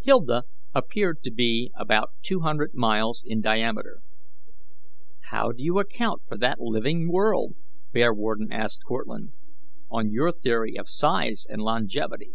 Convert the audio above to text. Hilda appeared to be about two hundred miles in diameter. "How do you account for that living world," Bearwarden asked Cortlandt, "on your theory of size and longevity?"